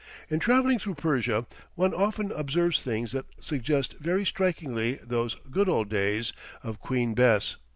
In travelling through Persia, one often observes things that suggest very strikingly those "good old days" of Queen Bess.